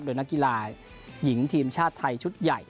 โดยนักกีฬาหญิงทีมชาติไทยชุดใหญ่